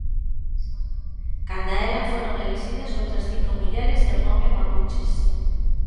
Canda a ela, foron elixidas outras cinco mulleres e un home mapuches.